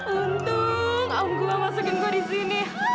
untung om gue masukin gue di sini